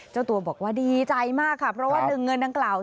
เจ้าตัวบอกว่าดีใจมากค่ะเพราะว่าหนึ่งเงินดังกล่าว